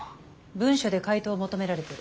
文書で回答を求められてる。